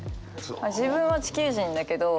自分は地球人だけどまあ